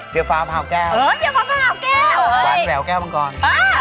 เฮียฟ้าผาวแก้วหวานแหววแก้วมังกร